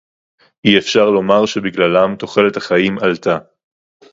אי-אפשר לומר שבגללם תוחלת החיים עלתה